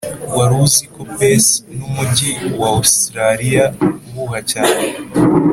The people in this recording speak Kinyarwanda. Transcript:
wari uziko perth numujyi wa ositaraliya uhuha cyane